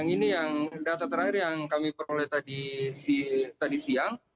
ini yang data terakhir yang kami peroleh tadi siang